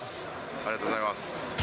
ありがとうございます。